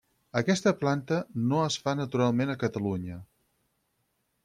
Aquesta planta no es fa naturalment a Catalunya.